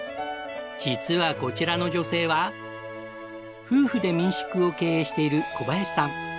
実はこちらの女性は夫婦で民宿を経営している小林さん。